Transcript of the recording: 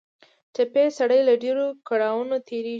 ټپي سړی له ډېرو کړاوونو تېرېږي.